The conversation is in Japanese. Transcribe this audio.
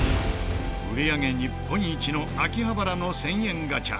売り上げ日本一の秋葉原の１０００円ガチャ。